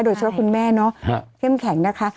โดยเฉพาะคุณแม่เนอะเค็มแข็งนะคะ